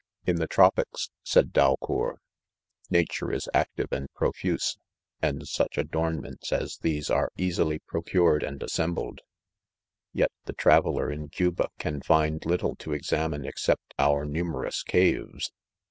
"In. the trop ics," said Dalcoux, "nature is active and pro fuse, and such adornments as these are easily procured and assembled. («) Yet the traveller in Cuba can find little to examine except out numerous caves.